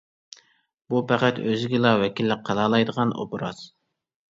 ئۇ پەقەت ئۆزىگىلا ۋەكىللىك قىلالايدىغان ئوبراز.